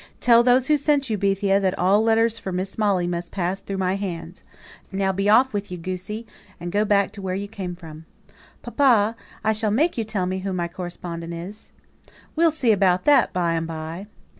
Tell those who sent you, Bethia, that all letters for Miss Molly must pass through my hands. Now be off with you, goosey, and go back to where you came from." [Illustration: A LOVE LETTER.] "Papa, I shall make you tell me who my correspondent is." "We'll see about that, by and by."